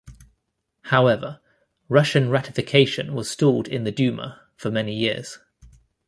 However, Russian ratification was stalled in the Duma for many years.